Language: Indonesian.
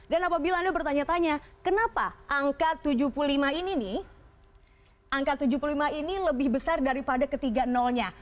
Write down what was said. dan apabila anda bertanya tanya kenapa angka rp tujuh puluh lima ini lebih besar daripada ketiga nolnya